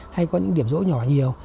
hay có những điểm rỗ nhỏ nhiều